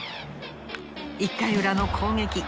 １回裏の攻撃